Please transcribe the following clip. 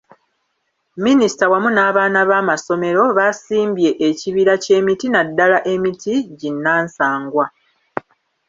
Minisita wamu n’abaana b’amasomero baasimbye ekibira ky’emiti naddala emiti ginnansangwa.